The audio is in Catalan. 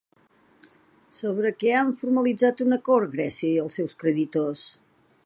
Sobre què han formalitzat un acord Grècia i els seus creditors?